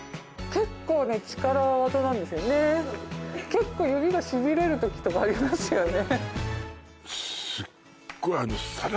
結構指がしびれる時とかありますよね